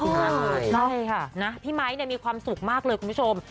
ใช่ค่ะนะพี่ไมค์มีความสุขมากเลยคุณผู้ชม